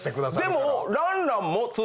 でも。